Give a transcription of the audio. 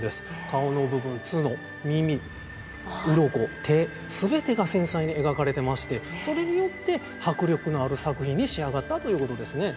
顔の部分角耳うろこ手全てが繊細に描かれてましてそれによって迫力のある作品に仕上がったということですね。